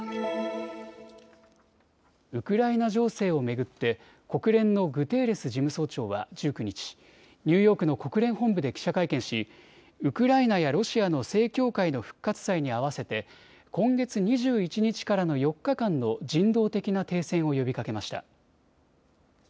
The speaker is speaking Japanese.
ウクライナ情勢を巡って国連のグテーレス事務総長は１９日、ニューヨークの国連本部で記者会見しウクライナやロシアの正教会の復活祭に合わせて今月２１日からの４日間の人道的な停戦を呼びかけました。